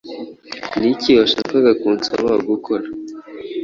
Niki washakaga kunsaba gukora?